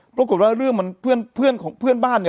ปรากฏว่าเรื่องมันเพื่อนของเพื่อนบ้านเนี่ย